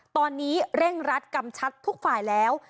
ตอนนี้เร่งรัดกำชัดทุกฝ่ายแล้ว